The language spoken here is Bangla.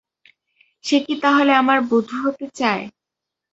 সে কি তাহলে আমার বধূ হতে চায়?